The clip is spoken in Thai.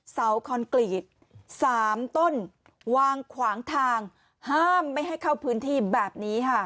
คอนกรีต๓ต้นวางขวางทางห้ามไม่ให้เข้าพื้นที่แบบนี้ค่ะ